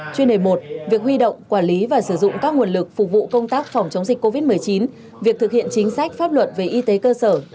chuyên đề một